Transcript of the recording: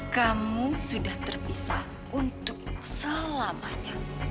kamu sudah terpisah untuk selamanya